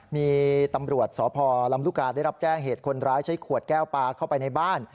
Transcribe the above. มีตำรวจสพลำลูกกาได้รับแจ้งเหตุคนร้ายใช้ขวดแก้วปลาเข้าไปในบ้าน